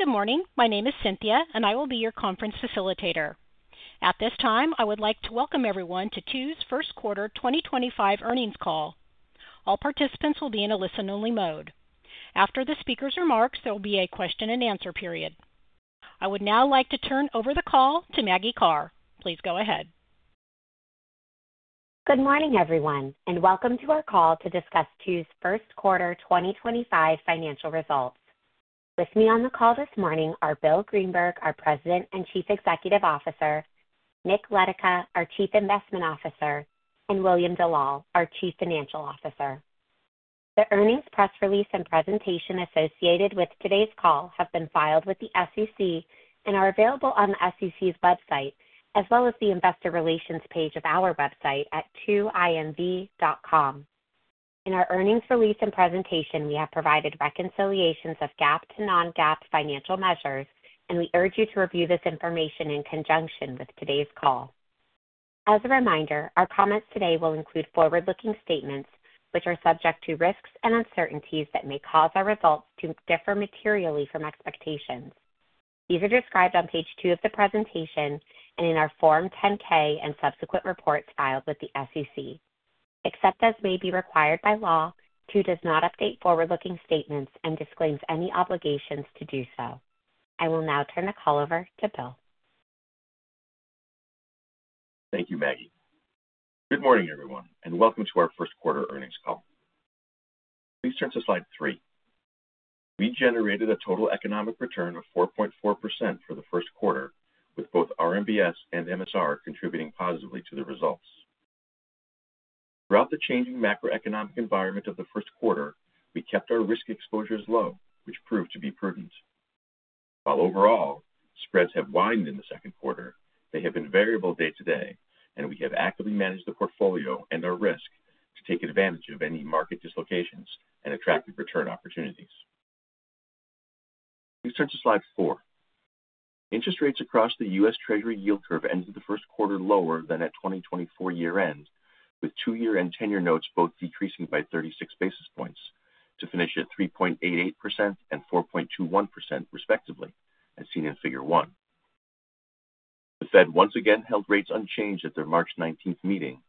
Good morning. My name is Cynthia, and I will be your conference facilitator. At this time, I would like to welcome everyone to Two Harbors' first quarter 2025 earnings call. All participants will be in a listen-only mode. After the speaker's remarks, there will be a question-and-answer period. I would now like to turn over the call to Maggie Karr. Please go ahead. Good morning, everyone, and welcome to our call to discuss Two Harbors' first quarter 2025 financial results. With me on the call this morning are Bill Greenberg, our President and Chief Executive Officer, Nick Letica, our Chief Investment Officer, and William Dellal, our Chief Financial Officer. The earnings press release and presentation associated with today's call have been filed with the SEC and are available on the SEC's website, as well as the investor relations page of our website at 2inv.com. In our earnings release and presentation, we have provided reconciliations of GAAP to non-GAAP financial measures, and we urge you to review this information in conjunction with today's call. As a reminder, our comments today will include forward-looking statements, which are subject to risks and uncertainties that may cause our results to differ materially from expectations. These are described on page two of the presentation and in our Form 10-K and subsequent reports filed with the SEC. Except as may be required by law, Two Harbors does not update forward-looking statements and disclaims any obligations to do so. I will now turn the call over to Bill. Thank you, Maggie. Good morning, everyone, and welcome to our first quarter earnings call. Please turn to slide three. We generated a total economic return of 4.4% for the first quarter, with both RMBS and MSR contributing positively to the results. Throughout the changing macroeconomic environment of the first quarter, we kept our risk exposures low, which proved to be prudent. While overall spreads have widened in the second quarter, they have been variable day to day, and we have actively managed the portfolio and our risk to take advantage of any market dislocations and attractive return opportunities. Please turn to slide four. Interest rates across the U.S. Treasury yield curve ended the first quarter lower than at 2024 year-end, with two-year and ten-year notes both decreasing by 36 basis points to finish at 3.88% and 4.21%, respectively, as seen in figure one. The Fed once again held rates unchanged at their March 19th meeting,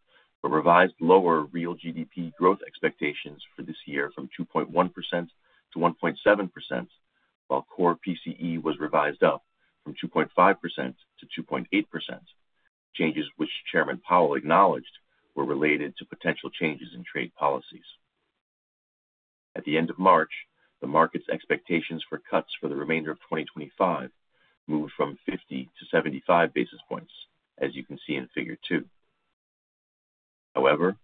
but revised lower real GDP growth expectations for this year from 2.1% to 1.7%, while core PCE was revised up from 2.5% to 2.8%, changes which Chairman Powell acknowledged were related to potential changes in trade policies. At the end of March, the market's expectations for cuts for the remainder of 2025 moved from 50 to 75 basis points, as you can see in figure two. However,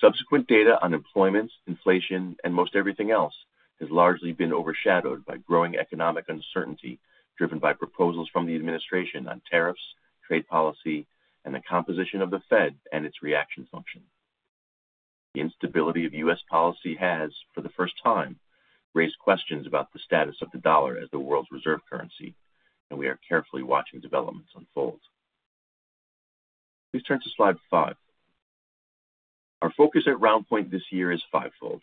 subsequent data on employment, inflation, and most everything else has largely been overshadowed by growing economic uncertainty driven by proposals from the administration on tariffs, trade policy, and the composition of the Fed and its reaction function. The instability of U.S. policy has, for the first time, raised questions about the status of the dollar as the world's reserve currency, and we are carefully watching developments unfold. Please turn to slide five. Our focus at RoundPoint this year is fivefold.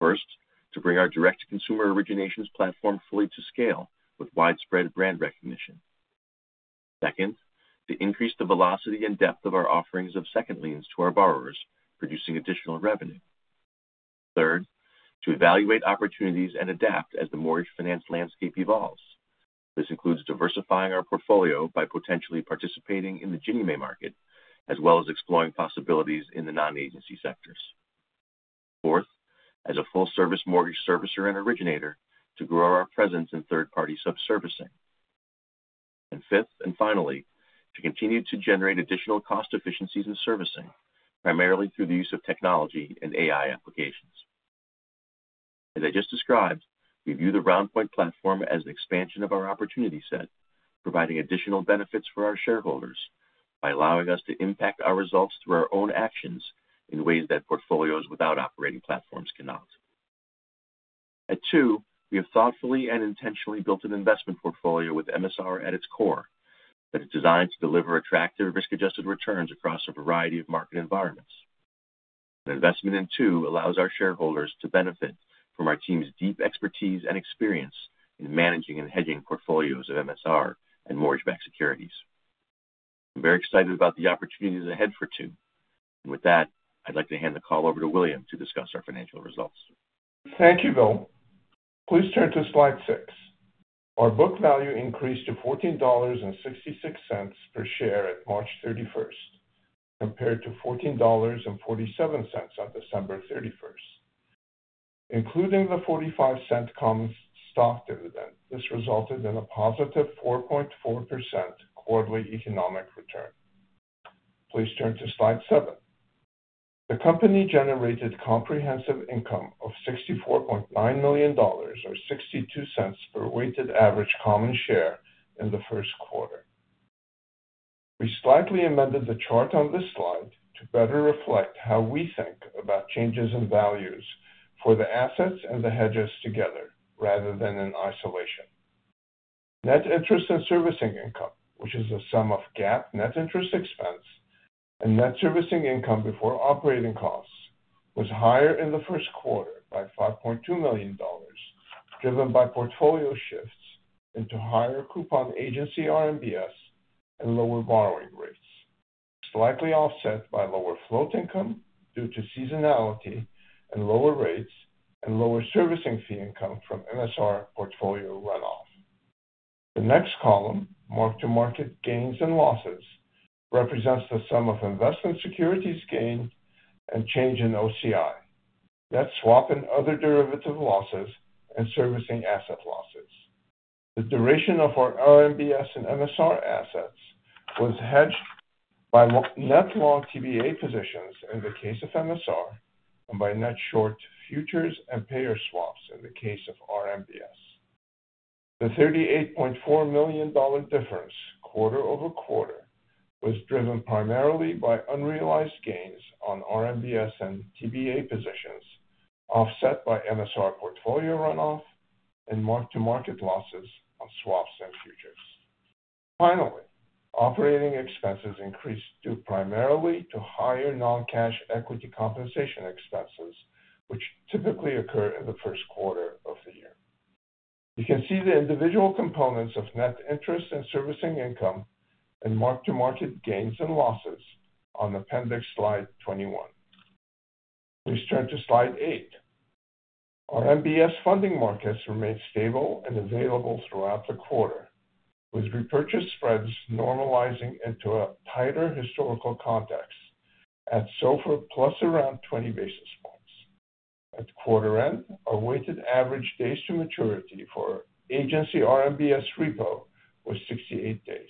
First, to bring our direct-to-consumer originations platform fully to scale with widespread brand recognition. Second, to increase the velocity and depth of our offerings of second liens to our borrowers, producing additional revenue. Third, to evaluate opportunities and adapt as the mortgage finance landscape evolves. This includes diversifying our portfolio by potentially participating in the Ginnie Mae market, as well as exploring possibilities in the non-agency sectors. Fourth, as a full-service mortgage servicer and originator, to grow our presence in third-party sub-servicing. Fifth and finally, to continue to generate additional cost efficiencies in servicing, primarily through the use of technology and AI applications. As I just described, we view the RoundPoint platform as an expansion of our opportunity set, providing additional benefits for our shareholders by allowing us to impact our results through our own actions in ways that portfolios without operating platforms cannot. At Two, we have thoughtfully and intentionally built an investment portfolio with MSR at its core that is designed to deliver attractive risk-adjusted returns across a variety of market environments. An investment in Two allows our shareholders to benefit from our team's deep expertise and experience in managing and hedging portfolios of MSR and mortgage-backed securities. I'm very excited about the opportunities ahead for Two. With that, I'd like to hand the call over to William to discuss our financial results. Thank you, Bill. Please turn to slide six. Our book value increased to $14.66 per share at March 31st, compared to $14.47 on December 31st. Including the $0.45 common stock dividend, this resulted in a positive 4.4% quarterly economic return. Please turn to slide seven. The company generated comprehensive income of $64.9 million, or $0.62 per weighted average common share in the first quarter. We slightly amended the chart on this slide to better reflect how we think about changes in values for the assets and the hedges together, rather than in isolation. Net interest and servicing income, which is the sum of GAAP net interest expense and net servicing income before operating costs, was higher in the first quarter by $5.2 million, driven by portfolio shifts into higher coupon agency RMBS and lower borrowing rates, slightly offset by lower float income due to seasonality and lower rates and lower servicing fee income from MSR portfolio runoff. The next column, mark-to-market gains and losses, represents the sum of investment securities gain and change in OCI, net swap and other derivative losses, and servicing asset losses. The duration of our RMBS and MSR assets was hedged by net long TBA positions in the case of MSR and by net short futures and payer swaps in the case of RMBS. The $38.4 million difference, quarter over quarter, was driven primarily by unrealized gains on RMBS and TBA positions, offset by MSR portfolio runoff and mark-to-market losses on swaps and futures. Finally, operating expenses increased primarily due to higher non-cash equity compensation expenses, which typically occur in the first quarter of the year. You can see the individual components of net interest and servicing income and mark-to-market gains and losses on appendix slide 21. Please turn to slide eight. RMBS funding markets remained stable and available throughout the quarter, with repurchase spreads normalizing into a tighter historical context at SOFR plus around 20 basis points. At quarter end, our weighted average days to maturity for agency RMBS repo was 68 days.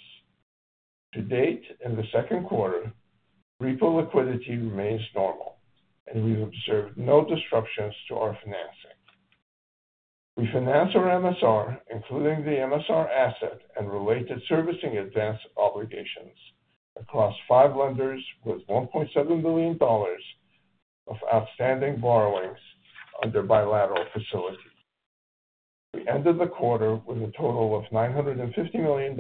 To date, in the second quarter, repo liquidity remains normal, and we've observed no disruptions to our financing. We finance our MSR, including the MSR asset and related servicing advance obligations across five lenders with $1.7 billion of outstanding borrowings under bilateral facility. We ended the quarter with a total of $950 million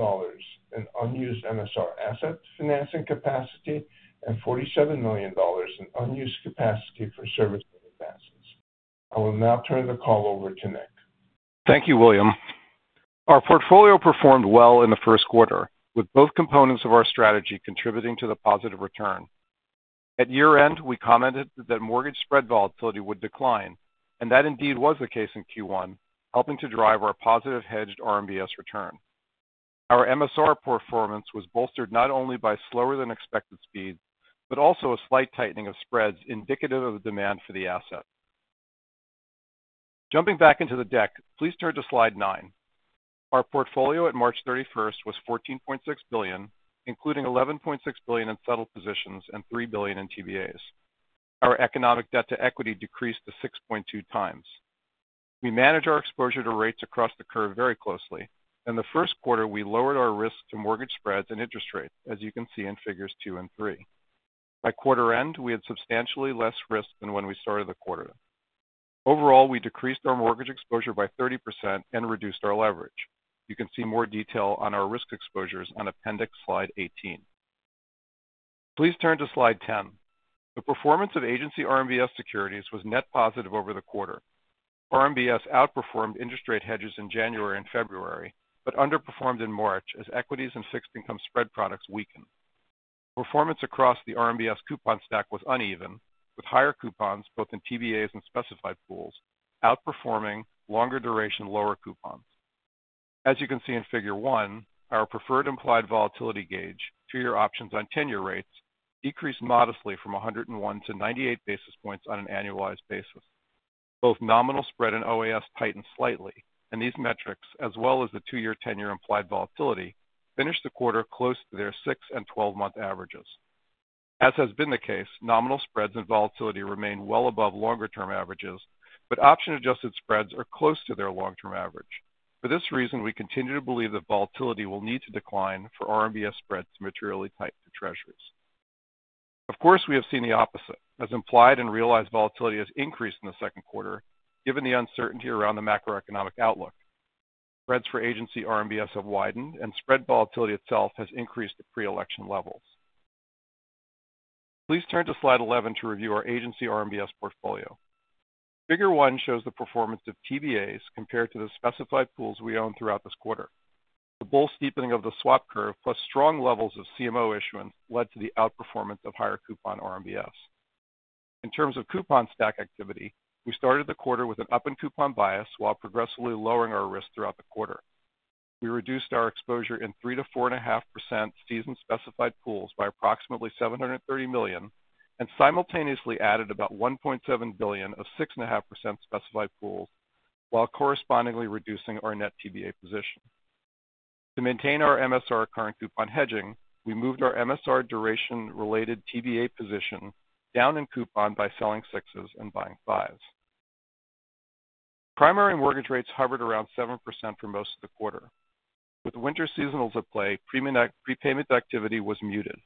in unused MSR asset financing capacity and $47 million in unused capacity for servicing advances. I will now turn the call over to Nick. Thank you, William. Our portfolio performed well in the first quarter, with both components of our strategy contributing to the positive return. At year-end, we commented that mortgage spread volatility would decline, and that indeed was the case in Q1, helping to drive our positive hedged RMBS return. Our MSR performance was bolstered not only by slower-than-expected speed but also a slight tightening of spreads indicative of the demand for the asset. Jumping back into the deck, please turn to slide nine. Our portfolio at March 31st was $14.6 billion, including $11.6 billion in settled positions and $3 billion in TBAs. Our economic debt to equity decreased to 6.2x. We manage our exposure to rates across the curve very closely, and in the first quarter we lowered our risk to mortgage spreads and interest rates, as you can see in figures two and three. By quarter end, we had substantially less risk than when we started the quarter. Overall, we decreased our mortgage exposure by 30% and reduced our leverage. You can see more detail on our risk exposures on appendix slide 18. Please turn to slide ten. The performance of agency RMBS securities was net positive over the quarter. RMBS outperformed interest rate hedges in January and February but underperformed in March as equities and fixed income spread products weakened. Performance across the RMBS coupon stack was uneven, with higher coupons both in TBAs and specified pools outperforming longer duration lower coupons. As you can see in figure one, our preferred implied volatility gauge, two-year options on ten-year rates, decreased modestly from 101 to 98 basis points on an annualized basis. Both nominal spread and OAS tightened slightly, and these metrics, as well as the two-year ten-year implied volatility, finished the quarter close to their six and twelve-month averages. As has been the case, nominal spreads and volatility remain well above longer-term averages, but option-adjusted spreads are close to their long-term average. For this reason, we continue to believe that volatility will need to decline for RMBS spreads to materially tighten to treasuries. Of course, we have seen the opposite, as implied and realized volatility has increased in the second quarter, given the uncertainty around the macroeconomic outlook. Spreads for agency RMBS have widened, and spread volatility itself has increased to pre-election levels. Please turn to slide 11 to review our agency RMBS portfolio. Figure one shows the performance of TBAs compared to the specified pools we own throughout this quarter. The bull steepening of the swap curve plus strong levels of CMO issuance led to the outperformance of higher coupon RMBS. In terms of coupon stack activity, we started the quarter with an up-in-coupon bias while progressively lowering our risk throughout the quarter. We reduced our exposure in 3%-4.5% seasoned specified pools by approximately $730 million and simultaneously added about $1.7 billion of six and a half percent specified pools, while correspondingly reducing our net TBA position. To maintain our MSR current coupon hedging, we moved our MSR duration-related TBA position down in coupon by selling sixes and buying fives. Primary mortgage rates hovered around 7% for most of the quarter. With winter seasonals at play, prepayment activity was muted.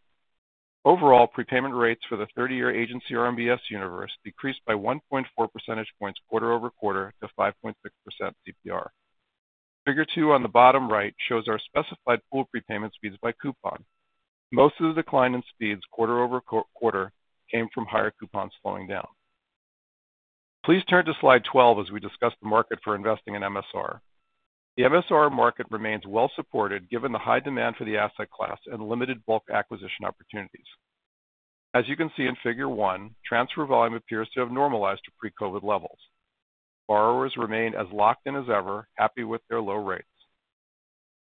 Overall, prepayment rates for the 30-year agency RMBS universe decreased by 1.4 percentage points quarter over quarter to 5.6% CPR. Figure two on the bottom right shows our specified pool prepayment speeds by coupon. Most of the decline in speeds quarter over quarter came from higher coupons slowing down. Please turn to slide 12 as we discuss the market for investing in MSR. The MSR market remains well-supported given the high demand for the asset class and limited bulk acquisition opportunities. As you can see in figure one, transfer volume appears to have normalized to pre-COVID levels. Borrowers remain as locked in as ever, happy with their low rates.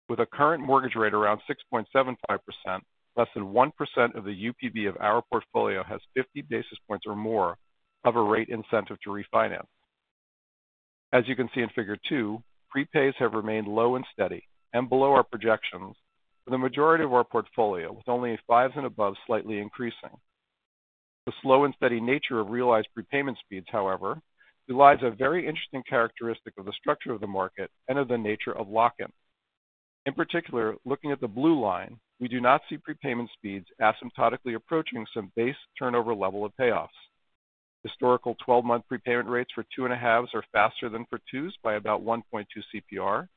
With a current mortgage rate around 6.75%, less than 1% of the UPB of our portfolio has 50 basis points or more of a rate incentive to refinance. As you can see in figure two, prepays have remained low and steady and below our projections for the majority of our portfolio, with only fives and above slightly increasing. The slow and steady nature of realized prepayment speeds, however, relies on a very interesting characteristic of the structure of the market and of the nature of lock-in. In particular, looking at the blue line, we do not see prepayment speeds asymptotically approaching some base turnover level of payoffs. Historical 12-month prepayment rates for two and a halves are faster than for twos by about 1.2 CPR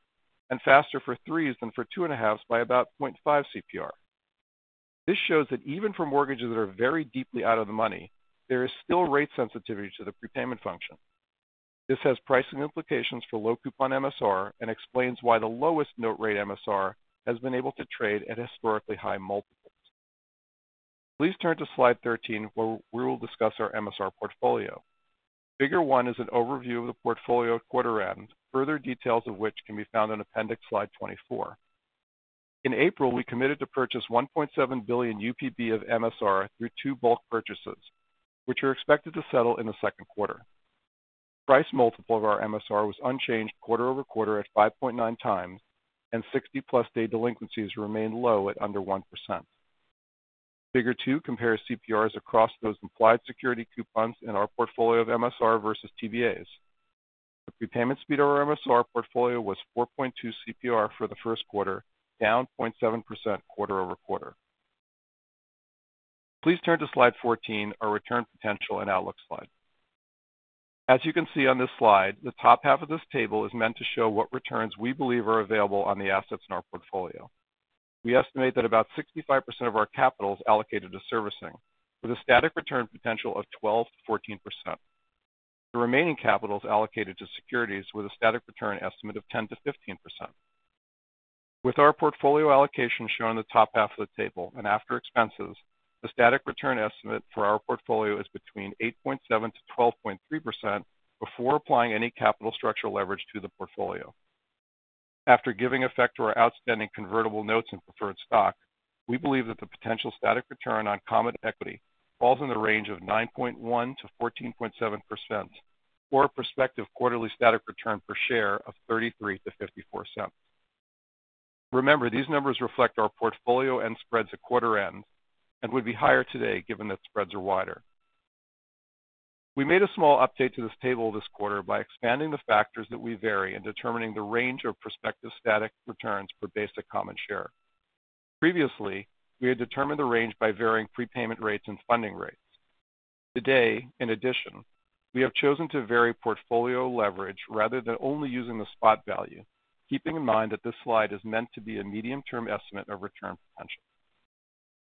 and faster for threes than for two and a halves by about 0.5 CPR. This shows that even for mortgages that are very deeply out of the money, there is still rate sensitivity to the prepayment function. This has pricing implications for low coupon MSR and explains why the lowest note rate MSR has been able to trade at historically high multiples. Please turn to slide 13, where we will discuss our MSR portfolio. Figure one is an overview of the portfolio quarter end, further details of which can be found in appendix slide 24. In April, we committed to purchase $1.7 billion UPB of MSR through two bulk purchases, which are expected to settle in the second quarter. The price multiple of our MSR was unchanged quarter over quarter at 5.9x, and 60+ day delinquencies remained low at under 1%. Figure two compares CPRs across those implied security coupons in our portfolio of MSR versus TBAs. The prepayment speed of our MSR portfolio was 4.2 CPR for the first quarter, down 0.7% quarter over quarter. Please turn to slide 14, our return potential and outlook slide. As you can see on this slide, the top half of this table is meant to show what returns we believe are available on the assets in our portfolio. We estimate that about 65% of our capital is allocated to servicing, with a static return potential of 12%-14%. The remaining capital is allocated to securities, with a static return estimate of 10%-15%. With our portfolio allocation shown in the top half of the table and after expenses, the static return estimate for our portfolio is between 8.7%-12.3% before applying any capital structure leverage to the portfolio. After giving effect to our outstanding convertible notes and preferred stock, we believe that the potential static return on common equity falls in the range of 9.1%-14.7%, or a prospective quarterly static return per share of $0.33-$0.54. Remember, these numbers reflect our portfolio and spreads at quarter end and would be higher today given that spreads are wider. We made a small update to this table this quarter by expanding the factors that we vary and determining the range of prospective static returns per basic common share. Previously, we had determined the range by varying prepayment rates and funding rates. Today, in addition, we have chosen to vary portfolio leverage rather than only using the spot value, keeping in mind that this slide is meant to be a medium-term estimate of return potential.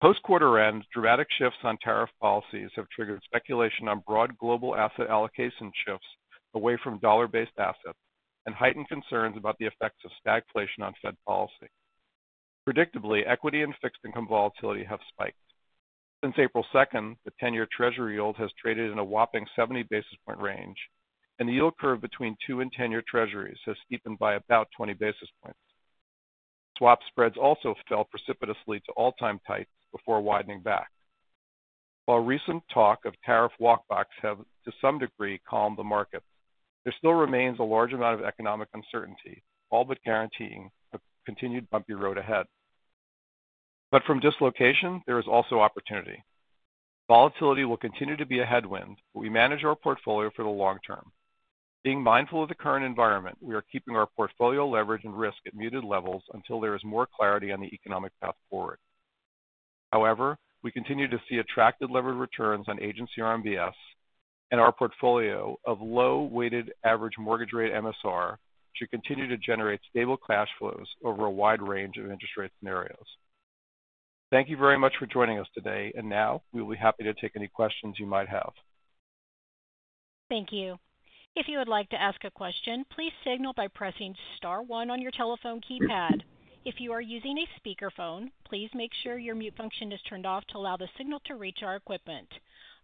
Post-quarter end, dramatic shifts on tariff policies have triggered speculation on broad global asset allocation shifts away from dollar-based assets and heightened concerns about the effects of stagflation on Fed policy. Predictably, equity and fixed income volatility have spiked. Since April 2nd, the 10-year Treasury yield has traded in a whopping 70 basis point range, and the yield curve between two and 10-year Treasuries has steepened by about 20 basis points. Swap spreads also fell precipitously to all-time tights before widening back. While recent talk of tariff walkbacks have to some degree calmed the markets, there still remains a large amount of economic uncertainty, all but guaranteeing a continued bumpy road ahead. From dislocation, there is also opportunity. Volatility will continue to be a headwind, but we manage our portfolio for the long term. Being mindful of the current environment, we are keeping our portfolio leverage and risk at muted levels until there is more clarity on the economic path forward. However, we continue to see attractive levered returns on agency RMBS, and our portfolio of low-weighted average mortgage rate MSR should continue to generate stable cash flows over a wide range of interest rate scenarios. Thank you very much for joining us today, and now we will be happy to take any questions you might have. Thank you. If you would like to ask a question, please signal by pressing star one on your telephone keypad. If you are using a speakerphone, please make sure your mute function is turned off to allow the signal to reach our equipment.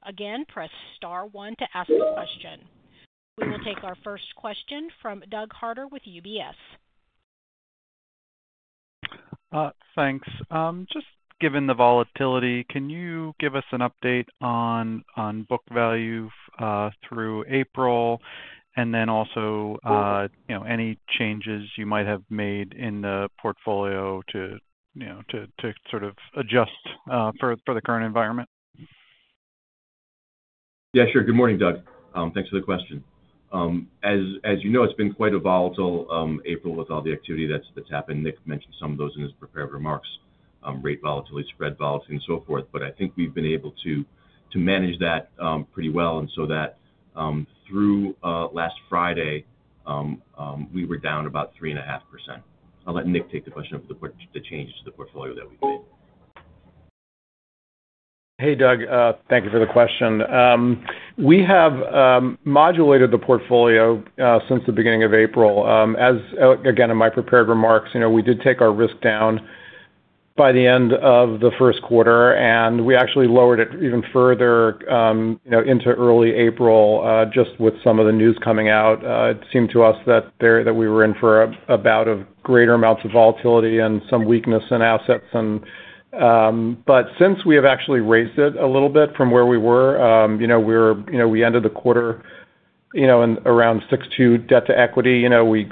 Again, press star one to ask a question. We will take our first question from Doug Harter with UBS. Thanks. Just given the volatility, can you give us an update on book value through April and then also any changes you might have made in the portfolio to sort of adjust for the current environment? Yeah, sure. Good morning, Doug. Thanks for the question. As you know, it's been quite a volatile April with all the activity that's happened. Nick mentioned some of those in his prepared remarks: rate volatility, spread volatility, and so forth. I think we've been able to manage that pretty well and so that through last Friday, we were down about 3.5%. I'll let Nick take the question of the changes to the portfolio that we've made. Hey, Doug. Thank you for the question. We have modulated the portfolio since the beginning of April. Again, in my prepared remarks, we did take our risk down by the end of the first quarter, and we actually lowered it even further into early April just with some of the news coming out. It seemed to us that we were in for a bout of greater amounts of volatility and some weakness in assets. Since we have actually raised it a little bit from where we were, we ended the quarter around 6.2 debt to equity.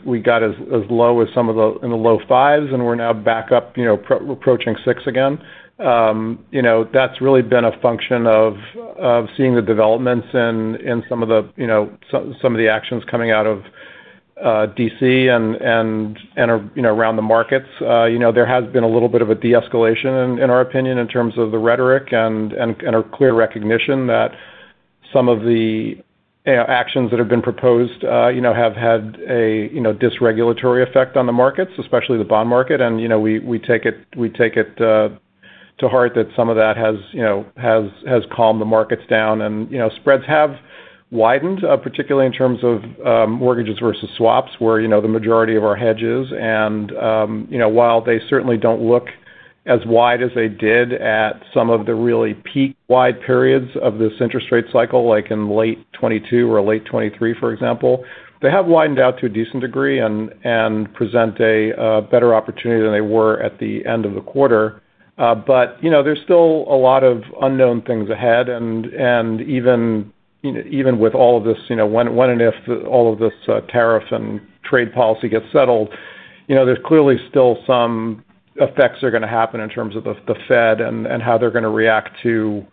We got as low as some of the low fives, and we're now back up approaching six again. That has really been a function of seeing the developments in some of the actions coming out of DC and around the markets. There has been a little bit of a de-escalation, in our opinion, in terms of the rhetoric and a clear recognition that some of the actions that have been proposed have had a disregulatory effect on the markets, especially the bond market. We take it to heart that some of that has calmed the markets down, and spreads have widened, particularly in terms of mortgages versus swaps, where the majority of our hedge is. While they certainly do not look as wide as they did at some of the really peak wide periods of this interest rate cycle, like in late 2022 or late 2023, for example, they have widened out to a decent degree and present a better opportunity than they were at the end of the quarter. There is still a lot of unknown things ahead. Even with all of this, when and if all of this tariff and trade policy gets settled, there's clearly still some effects that are going to happen in terms of the Fed and how they're going to react to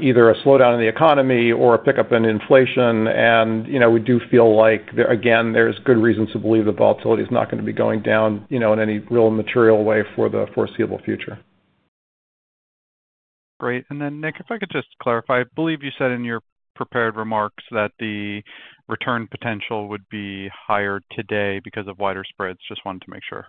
either a slowdown in the economy or a pickup in inflation. We do feel like, again, there's good reason to believe the volatility is not going to be going down in any real material way for the foreseeable future. Great. Nick, if I could just clarify, I believe you said in your prepared remarks that the return potential would be higher today because of wider spreads. Just wanted to make sure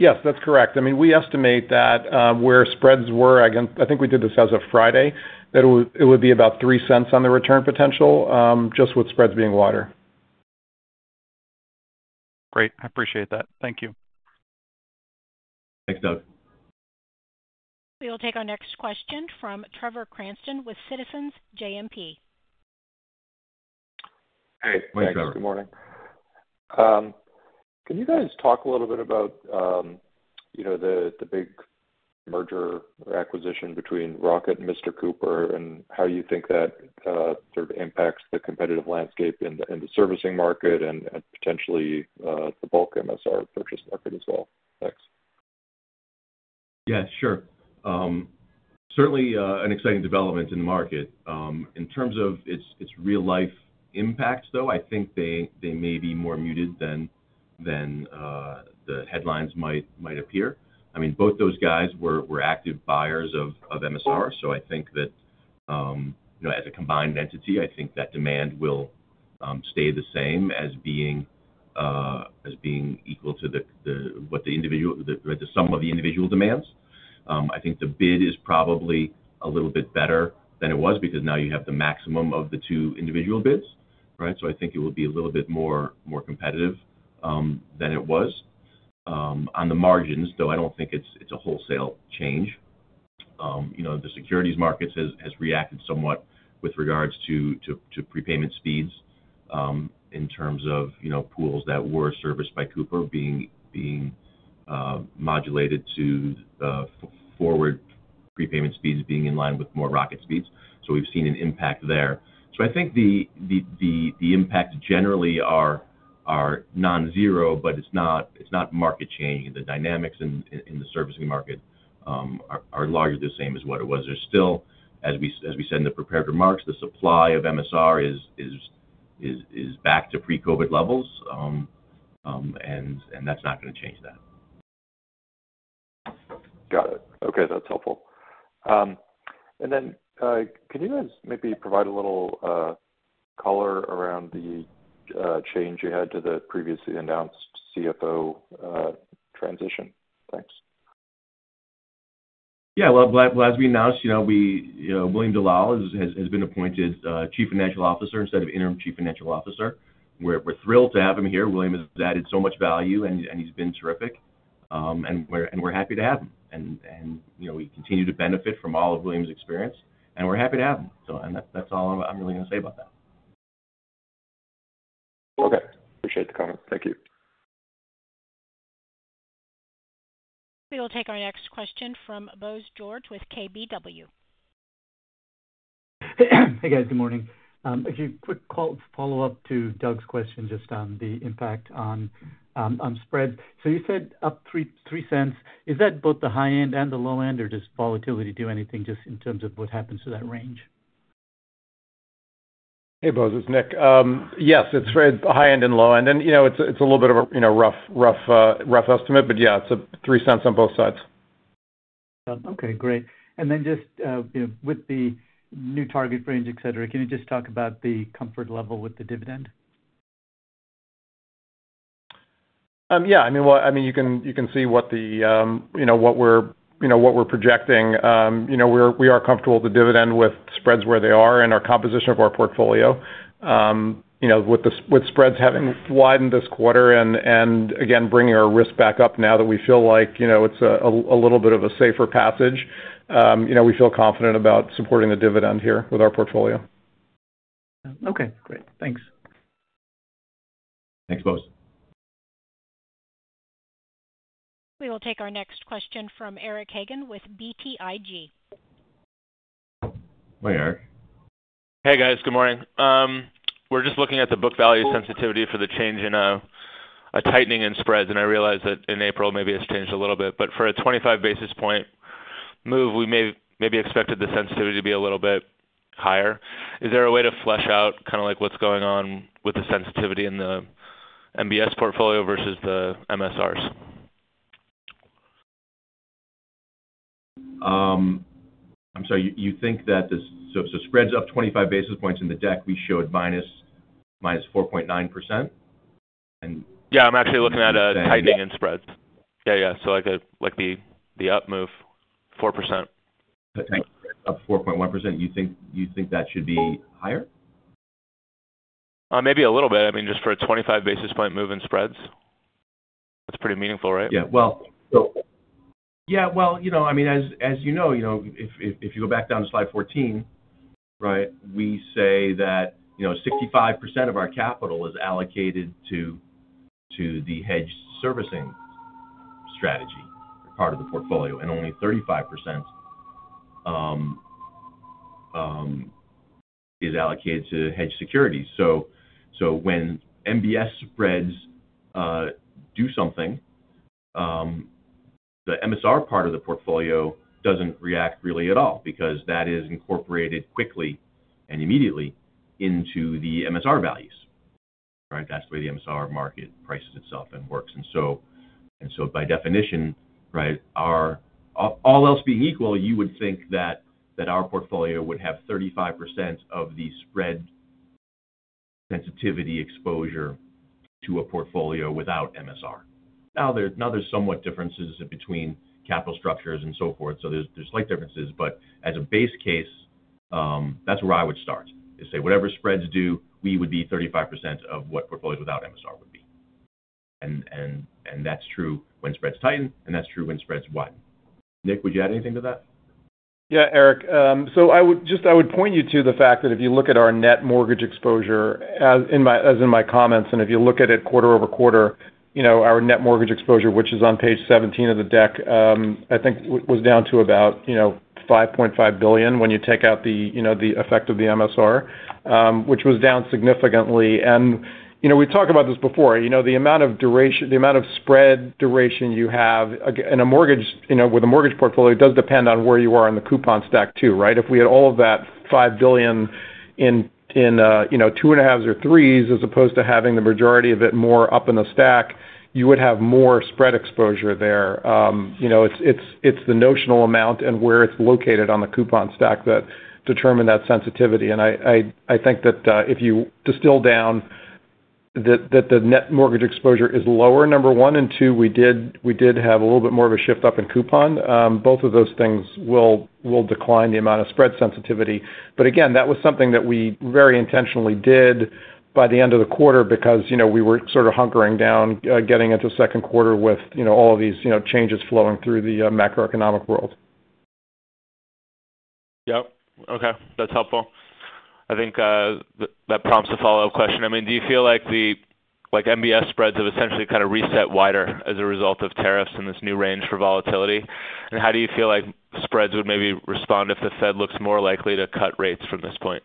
I heard that correct. Yes, that's correct. I mean, we estimate that where spreads were, I think we did this as of Friday, that it would be about 3 cents on the return potential just with spreads being wider. Great. I appreciate that. Thank you. Thanks, Doug. We will take our next question from Trevor Cranston with Citizens JMP. Hey. Morning, Trevor. Good morning. Can you guys talk a little bit about the big merger or acquisition between Rocket and Mr. Cooper and how you think that sort of impacts the competitive landscape in the servicing market and potentially the bulk MSR purchase market as well? Thanks. Yeah, sure. Certainly an exciting development in the market. In terms of its real-life impact, though, I think they may be more muted than the headlines might appear. I mean, both those guys were active buyers of MSR, so I think that as a combined entity, I think that demand will stay the same as being equal to what the sum of the individual demands. I think the bid is probably a little bit better than it was because now you have the maximum of the two individual bids, right? I think it will be a little bit more competitive than it was. On the margins, though, I do not think it is a wholesale change. The securities market has reacted somewhat with regards to prepayment speeds in terms of pools that were serviced by Cooper being modulated to forward prepayment speeds being in line with more Rocket speeds. We have seen an impact there. I think the impact generally are non-zero, but it's not market change. The dynamics in the servicing market are largely the same as what it was. There's still, as we said in the prepared remarks, the supply of MSR is back to pre-COVID levels, and that's not going to change that. Got it. Okay. That's helpful. Can you guys maybe provide a little color around the change you had to the previously announced CFO transition? Thanks. Yeah. As we announced, William Dellal has been appointed Chief Financial Officer instead of Interim Chief Financial Officer. We're thrilled to have him here. William has added so much value, and he's been terrific. We're happy to have him. We continue to benefit from all of William's experience, and we're happy to have him. That's all I'm really going to say about that. Okay. Appreciate the comment. Thank you. We will take our next question from Bose George with KBW. Hey, guys. Good morning. A few quick follow-up to Doug's question just on the impact on spreads. You said up 3 cents. Is that both the high end and the low end, or does volatility do anything just in terms of what happens to that range? Hey, Bose. It's Nick. Yes, it's spread high end and low end. It's a little bit of a rough estimate, but yeah, it's 3 cents on both sides. Okay. Great. And then just with the new target range, etc., can you just talk about the comfort level with the dividend? Yeah. I mean, you can see what we're projecting. We are comfortable with the dividend with spreads where they are and our composition of our portfolio. With spreads having widened this quarter and, again, bringing our risk back up now that we feel like it's a little bit of a safer passage, we feel confident about supporting the dividend here with our portfolio. Okay. Great. Thanks. Thanks, Bose. We will take our next question from Eric Hagen with BTIG. Morning, Eric. Hey, guys. Good morning. We're just looking at the book value sensitivity for the change in a tightening in spreads, and I realize that in April, maybe it's changed a little bit. For a 25 basis point move, we maybe expected the sensitivity to be a little bit higher. Is there a way to flesh out kind of what's going on with the sensitivity in the MBS portfolio versus the MSRs? I'm sorry. You think that the spreads up 25 basis points in the deck, we showed -4.9%? Yeah. I'm actually looking at a tightening in spreads. Yeah, yeah. Like the up move 4%. A tightening of 4.1%. You think that should be higher? Maybe a little bit. I mean, just for a 25 basis point move in spreads. That's pretty meaningful, right? Yeah. Yeah. I mean, as you know, if you go back down to slide 14, right, we say that 65% of our capital is allocated to the hedge servicing strategy part of the portfolio, and only 35% is allocated to hedge securities. When MBS spreads do something, the MSR part of the portfolio does not react really at all because that is incorporated quickly and immediately into the MSR values, right? That is the way the MSR market prices itself and works. By definition, right, all else being equal, you would think that our portfolio would have 35% of the spread sensitivity exposure to a portfolio without MSR. Now, there are somewhat differences between capital structures and so forth. There are slight differences. As a base case, that is where I would start. I'd say whatever spreads do, we would be 35% of what portfolios without MSR would be. That's true when spreads tighten, and that's true when spreads widen. Nick, would you add anything to that? Yeah, Eric. I would point you to the fact that if you look at our net mortgage exposure, as in my comments, and if you look at it quarter over quarter, our net mortgage exposure, which is on page 17 of the deck, I think was down to about $5.5 billion when you take out the effect of the MSR, which was down significantly. We talked about this before. The amount of spread duration you have in a mortgage with a mortgage portfolio does depend on where you are on the coupon stack too, right? If we had all of that $5 billion in two and a halves or threes as opposed to having the majority of it more up in the stack, you would have more spread exposure there. It's the notional amount and where it's located on the coupon stack that determine that sensitivity. I think that if you distill down that the net mortgage exposure is lower, number one. Two, we did have a little bit more of a shift up in coupon. Both of those things will decline the amount of spread sensitivity. Again, that was something that we very intentionally did by the end of the quarter because we were sort of hunkering down getting into second quarter with all of these changes flowing through the macroeconomic world. Yep. Okay. That's helpful. I think that prompts a follow-up question. I mean, do you feel like the MBS spreads have essentially kind of reset wider as a result of tariffs in this new range for volatility? How do you feel like spreads would maybe respond if the Fed looks more likely to cut rates from this point?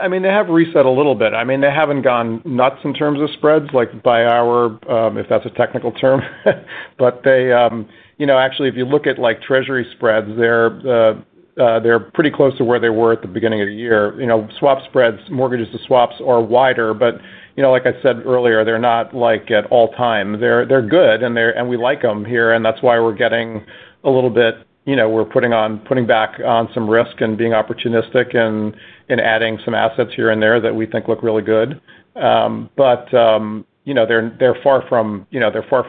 I mean, they have reset a little bit. I mean, they haven't gone nuts in terms of spreads by hour, if that's a technical term. Actually, if you look at Treasury spreads, they're pretty close to where they were at the beginning of the year. Swap spreads, mortgages to swaps are wider. Like I said earlier, they're not like at all time. They're good, and we like them here. That's why we're getting a little bit, we're putting back on some risk and being opportunistic and adding some assets here and there that we think look really good. They're far from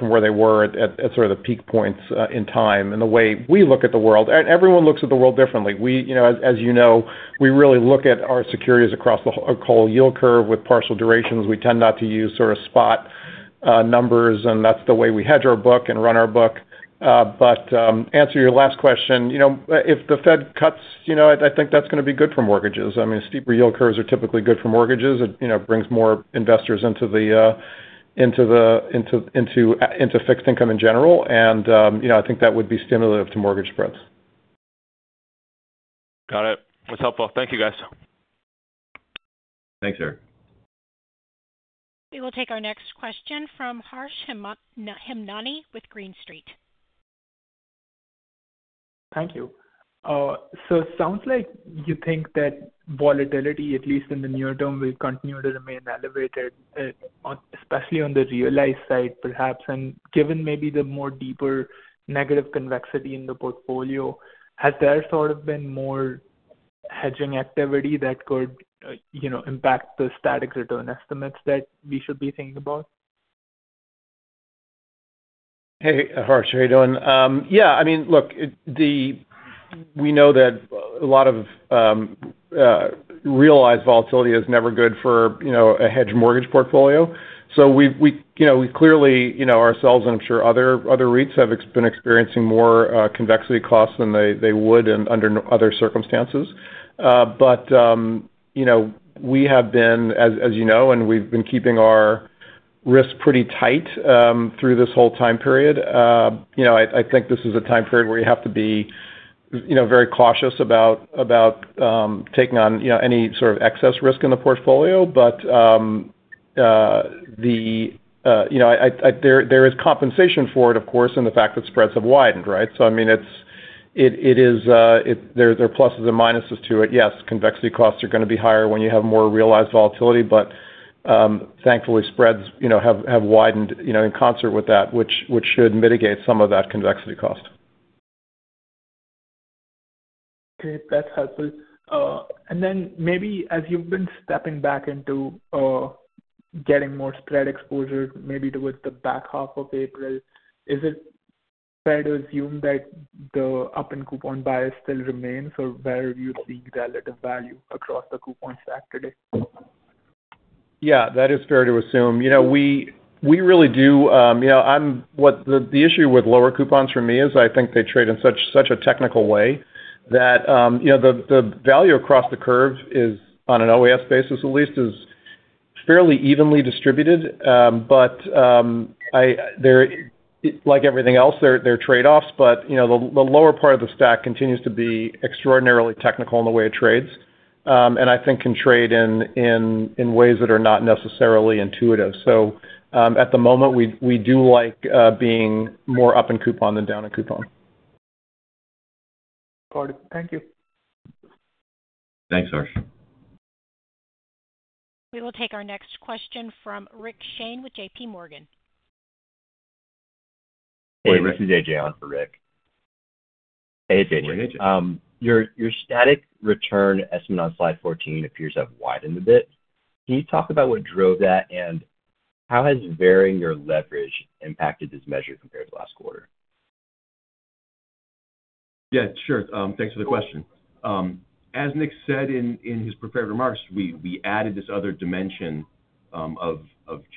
where they were at sort of the peak points in time and the way we look at the world. Everyone looks at the world differently. As you know, we really look at our securities across the whole yield curve with partial durations. We tend not to use sort of spot numbers, and that's the way we hedge our book and run our book. To answer your last question, if the Fed cuts, I think that's going to be good for mortgages. I mean, steeper yield curves are typically good for mortgages. It brings more investors into fixed income in general. I think that would be stimulative to mortgage spreads. Got it. That's helpful. Thank you, guys. Thanks, Eric. We will take our next question from Harsh Hemnani with Green Street. Thank you. It sounds like you think that volatility, at least in the near term, will continue to remain elevated, especially on the realized side, perhaps. Given maybe the more deeper negative convexity in the portfolio, has there sort of been more hedging activity that could impact the static return estimates that we should be thinking about? Hey, Harsh, how are you doing? Yeah. I mean, look, we know that a lot of realized volatility is never good for a hedge mortgage portfolio. So we clearly, ourselves and I am sure other REITs have been experiencing more convexity costs than they would under other circumstances. But we have been, as you know, and we have been keeping our risk pretty tight through this whole time period. I think this is a time period where you have to be very cautious about taking on any sort of excess risk in the portfolio. There is compensation for it, of course, in the fact that spreads have widened, right? I mean, there are pluses and minuses to it. Yes, convexity costs are going to be higher when you have more realized volatility. Thankfully, spreads have widened in concert with that, which should mitigate some of that convexity cost. Okay. That's helpful. Maybe as you've been stepping back into getting more spread exposure, maybe towards the back half of April, is it fair to assume that the up and coupon bias still remains or where you see relative value across the coupon stack today? Yeah. That is fair to assume. We really do. The issue with lower coupons for me is I think they trade in such a technical way that the value across the curve, on an OAS basis at least, is fairly evenly distributed. Like everything else, there are trade-offs. The lower part of the stack continues to be extraordinarily technical in the way it trades, and I think can trade in ways that are not necessarily intuitive. At the moment, we do like being more up in coupon than down in coupon. Got it. Thank you. Thanks, Harsh. We will take our next question from Rick Shane with JPMorgan Chase Hey, Rick. This is AJ on for Rick. Hey, AJ. Your static return estimate on slide 14 appears to have widened a bit. Can you talk about what drove that, and how has varying your leverage impacted this measure compared to last quarter? Yeah. Sure. Thanks for the question. As Nick said in his prepared remarks, we added this other dimension of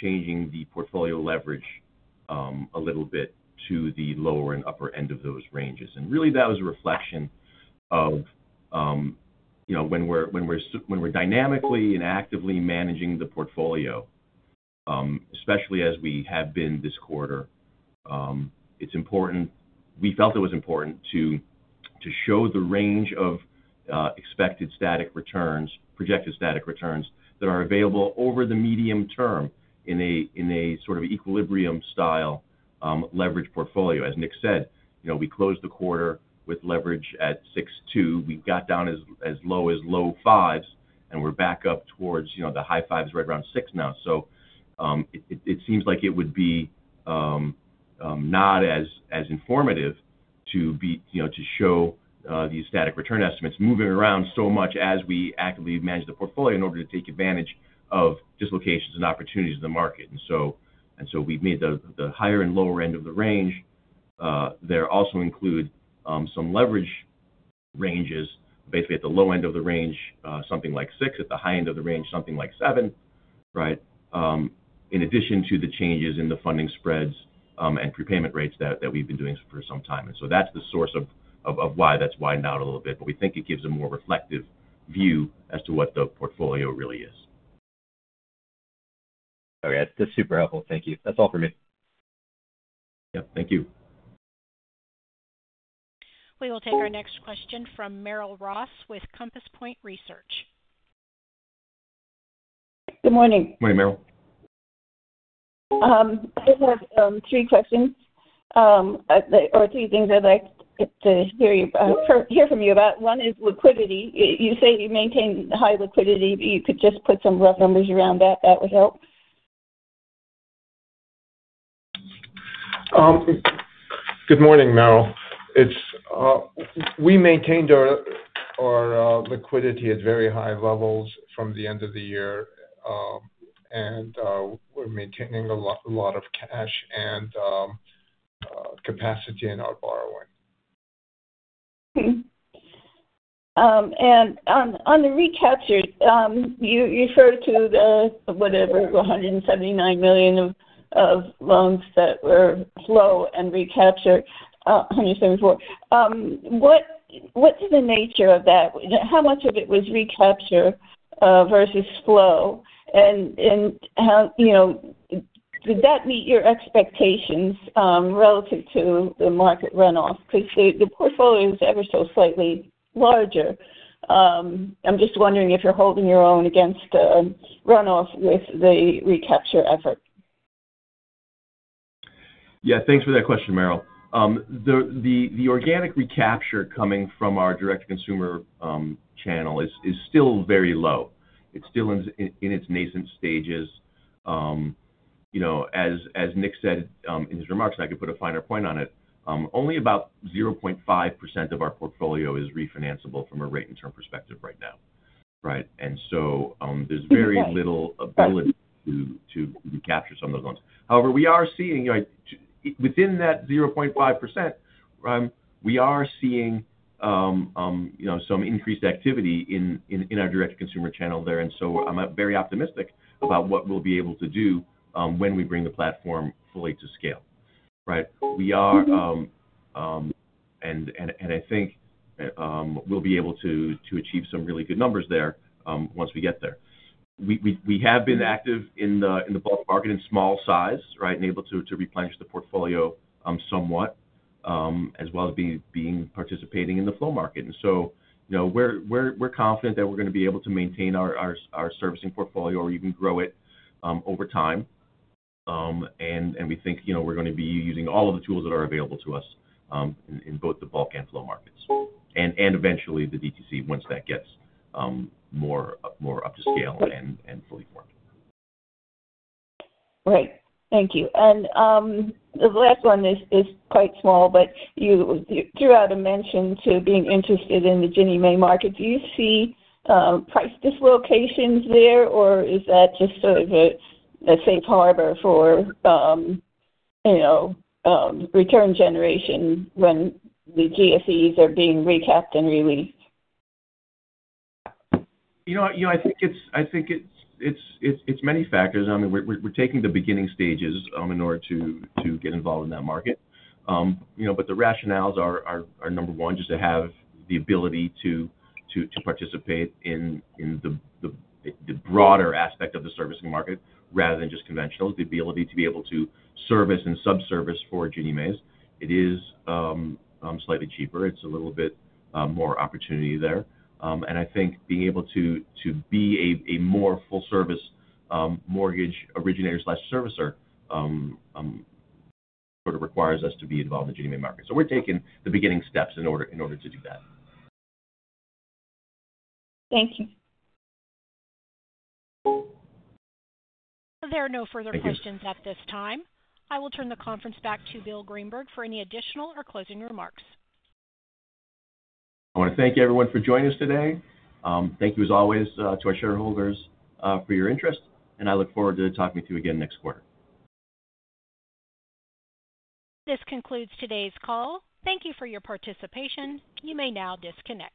changing the portfolio leverage a little bit to the lower and upper end of those ranges. That was a reflection of when we're dynamically and actively managing the portfolio, especially as we have been this quarter, we felt it was important to show the range of projected static returns that are available over the medium term in a sort of equilibrium-style leverage portfolio. As Nick said, we closed the quarter with leverage at 6.2. We got down as low as low fives, and we're back up towards the high fives right around six now. It seems like it would be not as informative to show these static return estimates moving around so much as we actively manage the portfolio in order to take advantage of dislocations and opportunities in the market. We have made the higher and lower end of the range there also include some leverage ranges. Basically, at the low end of the range, something like six. At the high end of the range, something like seven, right, in addition to the changes in the funding spreads and prepayment rates that we've been doing for some time. That is the source of why that has widened out a little bit. We think it gives a more reflective view as to what the portfolio really is. Okay. That's super helpful. Thank you. That's all for me. Yep. Thank you. We will take our next question from Merrill Ross with Compass Point Research. Good morning. Morning, Merrill. I have three questions or three things I'd like to hear from you about. One is liquidity. You say you maintain high liquidity. You could just put some rough numbers around that. That would help. Good morning, Merrill. We maintained our liquidity at very high levels from the end of the year, and we're maintaining a lot of cash and capacity in our borrowing. Okay. On the recapture, you referred to the, whatever, $179 million of loans that were flow and recapture, $174 million. What is the nature of that? How much of it was recapture versus flow? Did that meet your expectations relative to the market runoff? Because the portfolio is ever so slightly larger. I am just wondering if you are holding your own against the runoff with the recapture effort. Yeah. Thanks for that question, Merrill. The organic recapture coming from our direct-to-consumer channel is still very low. It's still in its nascent stages. As Nick said in his remarks, and I could put a finer point on it, only about 0.5% of our portfolio is refinanceable from a rate and term perspective right now, right? There's very little ability to recapture some of those loans. However, we are seeing within that 0.5%, we are seeing some increased activity in our direct-to-consumer channel there. I am very optimistic about what we'll be able to do when we bring the platform fully to scale, right? I think we'll be able to achieve some really good numbers there once we get there. We have been active in the bulk market in small size, right, and able to replenish the portfolio somewhat as well as being participating in the flow market. We are confident that we are going to be able to maintain our servicing portfolio or even grow it over time. We think we are going to be using all of the tools that are available to us in both the bulk and flow markets and eventually the DTC once that gets more up to scale and fully formed. Great. Thank you. The last one is quite small, but you threw out a mention to being interested in the Ginnie Mae market. Do you see price dislocations there, or is that just sort of a safe harbor for return generation when the GSEs are being recapped and released? You know what? I think it's many factors. I mean, we're taking the beginning stages in order to get involved in that market. The rationales are number one, just to have the ability to participate in the broader aspect of the servicing market rather than just conventional, the ability to be able to service and sub-service for Ginnie Mae's. It is slightly cheaper. It's a little bit more opportunity there. I think being able to be a more full-service mortgage originator/servicer sort of requires us to be involved in the Ginnie Mae market. We are taking the beginning steps in order to do that. Thank you. There are no further questions at this time. I will turn the conference back to Bill Greenberg for any additional or closing remarks. I want to thank everyone for joining us today. Thank you, as always, to our shareholders for your interest. I look forward to talking to you again next quarter. This concludes today's call. Thank you for your participation. You may now disconnect.